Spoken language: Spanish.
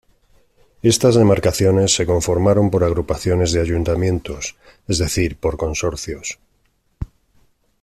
Estas demarcaciones se conformaron por agrupaciones de ayuntamientos, es decir, por consorcios.